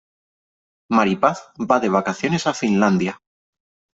Mari Paz va de vacaciones a Finlandia.